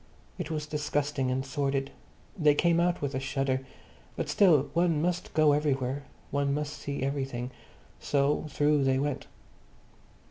It was disgusting and sordid. They came out with a shudder. But still one must go everywhere; one must see everything. So through they went.